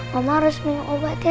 mama harus minum obatnya